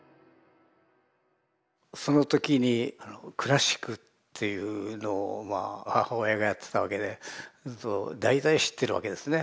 その時にクラシックっていうのを母親がやってたわけでそうすると大体知ってるわけですね